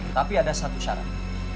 tapi ada satu syarat